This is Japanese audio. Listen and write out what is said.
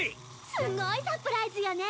すごいサプライズよね！